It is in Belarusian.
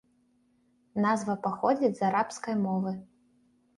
Назва паходзіць з арабскай мовы.